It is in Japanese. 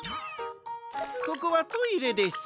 ここはトイレです。